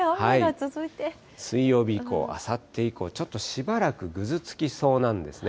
水曜日以降、あさって以降、ちょっとしばらくぐずつきそうなんですね。